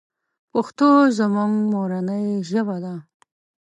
پښتو زمونږ مورنۍ ژبه ده.